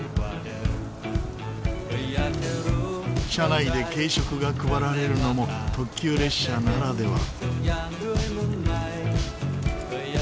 車内で軽食が配られるのも特急列車ならでは。